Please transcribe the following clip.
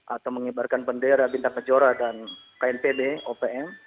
atau mengibarkan bendera bintang kejora dan knpb opm